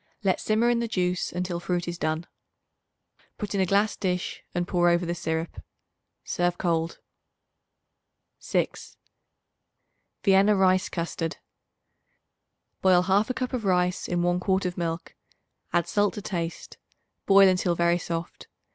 Let simmer in the juice until fruit is done. Put in a glass dish and pour over the syrup. Serve cold. 6. Vienna Rice Custard. Boil 1/2 cup of rice in 1 quart of milk; add salt to taste; boil until very soft.